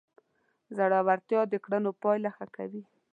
زړورتیا د کړنو پایله ښه کوي.